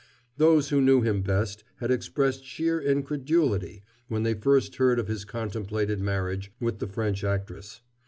Those who knew him best had expressed sheer incredulity when they first heard of his contemplated marriage with the French actress.